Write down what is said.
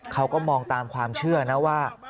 เขาก็มองตามความเชื่อนะว่า